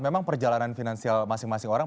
memang perjalanan finansial masing masing orang